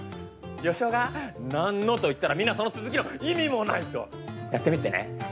よしおが「なんの」と言ったらみんなはその続きの「意味もない」とやってみてね。